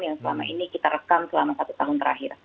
yang selama ini kita rekam selama satu tahun terakhir